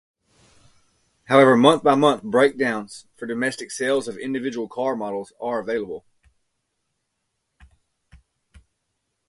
However, month by month breakdowns for domestic sales of individual car models are available.